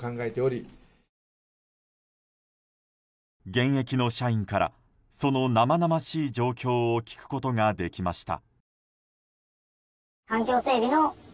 現役の社員からその生々しい状況を聞くことができました。